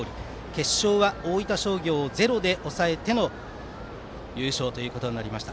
決勝は大分商業をゼロで抑えての優勝となりました。